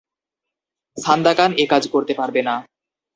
Sandakan এ কাজ করতে পারবে না।